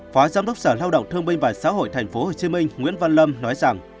phó giám đốc sở lao động thương minh và xã hội tp hcm nguyễn văn lâm nói rằng